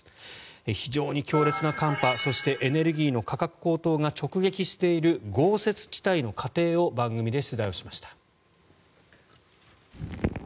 非常に強烈な寒波そしてエネルギーの価格高騰が直撃している豪雪地帯の家庭を番組で取材しました。